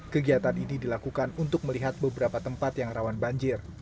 kegiatan ini dilakukan untuk melihat beberapa tempat yang rawan banjir